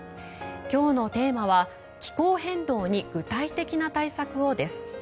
今日のテーマは「気候変動に具体的な対策を」です。